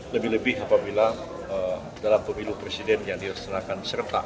lebih lebih apabila dalam pemilu presiden yang disenakan serta